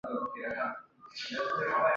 托特纳姆谷站现在正在安装自动月台门。